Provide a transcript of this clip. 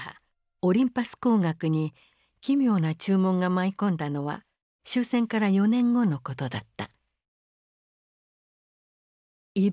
オリンパス光学に奇妙な注文が舞い込んだのは終戦から４年後のことだった。